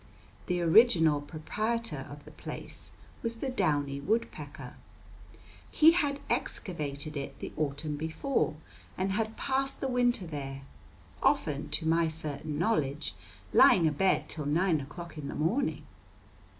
The original proprietor of the place was the downy woodpecker. He had excavated it the autumn before, and had passed the winter there, often to my certain knowledge lying abed till nine o'clock in the morning.